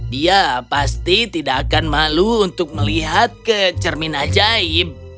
dia pasti tidak akan malu untuk melihat ke cermin ajaib